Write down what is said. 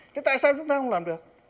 thế tại sao chúng ta không làm được